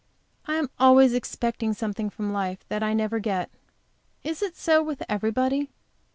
I am always expecting something from life that I never get. Is it so with everybody?